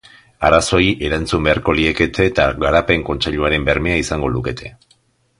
Arazoei erantzun beharko liekete eta Garapen Kontseiluaren bermea izango lukete.